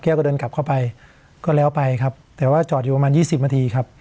ก็เดินกลับเข้าไปก็แล้วไปครับแต่ว่าจอดอยู่ประมาณยี่สิบนาทีครับ